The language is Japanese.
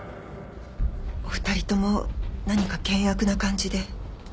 お二人とも何か険悪な感じで。